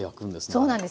そうなんです。